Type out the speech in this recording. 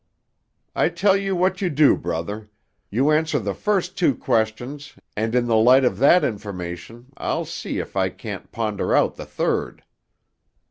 "I tell you what you do, brother—you answer the first two questions and in the light of that information I'll see if I can't ponder out the third."